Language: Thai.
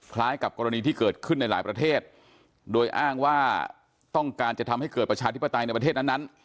กับกรณีที่เกิดขึ้นในหลายประเทศโดยอ้างว่าต้องการจะทำให้เกิดประชาธิปไตยในประเทศนั้น